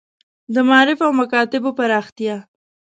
د معارف او مکاتیبو پراختیا.